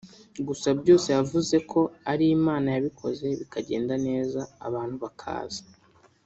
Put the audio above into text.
gusa byose yavuzeko ari Imana yabikoze bikagenda neza abantu bakaza